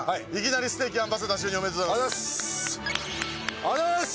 ありがとうございます！